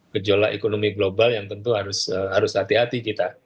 gejolak ekonomi global yang tentu harus hati hati kita